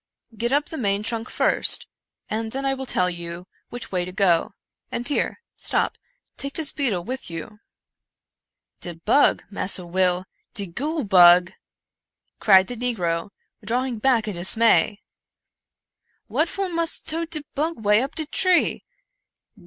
" Get up the main trunk first, and then I will tell you which wav to go — and here — stop! take this beetle with you." " De bug, Massa Will! — de goole bug! " cried the negro, drawing back in dismay —" what for mus' tote de bug way up de tree